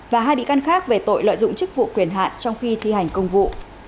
và hai bị can khác về tội lợi dụng chức vụ quyền hạn trong khi thi hành công vụ